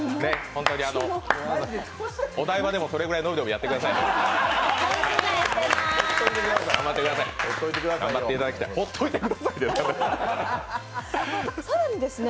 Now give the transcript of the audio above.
本当にお台場でもそのぐらいの温度でやってくださいね。